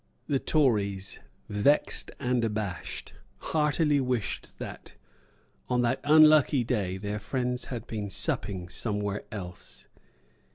The Tories, vexed and abashed, heartily wished that, on that unlucky day, their friends had been supping somewhere else.